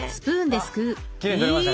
あっきれいに取れましたね。